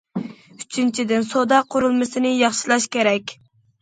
ئۈچىنچىدىن، سودا قۇرۇلمىسىنى ياخشىلاش كېرەك.